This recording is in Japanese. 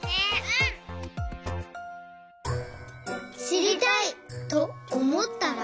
「しりたい！」とおもったら。